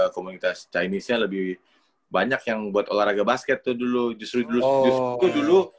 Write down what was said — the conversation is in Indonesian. komunitas chinese nya lebih banyak yang buat olahraga basket tuh dulu justru